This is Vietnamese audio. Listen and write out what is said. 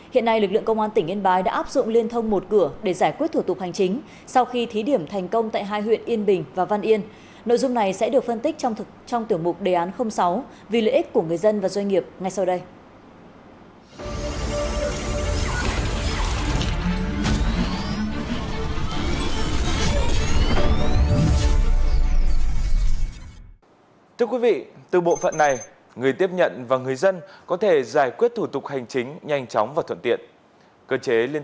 hiện nay lực lượng công an tỉnh yên bái đã áp dụng liên thông một cửa để giải quyết thủ tục hành chính sau khi thí điểm thành công tại hai huyện yên bình và văn yên nội dung này sẽ được phân tích trong tiểu mục đề án sáu vì lợi ích của người dân và doanh nghiệp